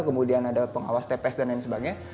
kemudian ada pengawas tps dan lain sebagainya